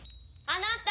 あなた！